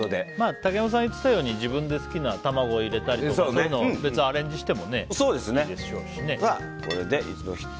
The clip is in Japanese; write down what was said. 竹山さんが言ってたように自分で好きなもの卵とか入れたりそういうのをアレンジしてもいいでしょうしね。